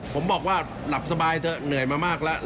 ผมบอกว่าหลับสบายเถอะเหนื่อยมามากแล้ว